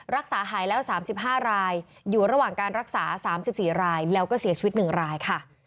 รักษาหายแล้ว๓๕รายอยู่ระหว่างการรักษา๓๔รายแล้วก็เสียชีวิต๑รายค่ะ